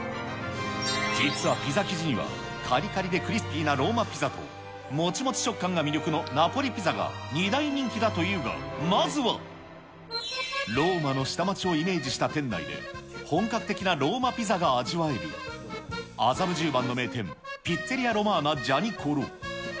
実はピザ生地には、かりかりでクリスピーなローマピザと、もちもち食感が魅力のナポリピザが２大人気だというが、まずは、ローマの下町をイメージした店内で、本格的なローマピザが味わえる、麻布十番の名店、ピッツェリア・ロマーナ・ジャニコロ。